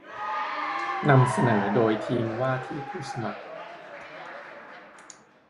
นำเสนอโดยทีมว่าที่ผู้สมัคร